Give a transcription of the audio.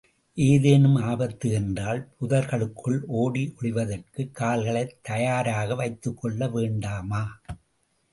ஏதேனும் ஆபத்து என்றால், புதர்களுக்குள் ஒடி ஒளிவதற்குக் கால்களைத் தயாராக வைத்துக்கொள்ள வேண்டாமா?